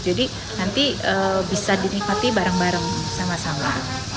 jadi nanti bisa dinikmati bareng bareng sama sama